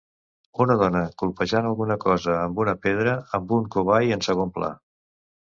Una dona colpejant alguna cosa amb una pedra, amb un cobai en segon pla.